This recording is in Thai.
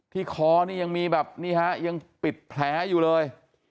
คอนี่ยังมีแบบนี่ฮะยังปิดแผลอยู่เลย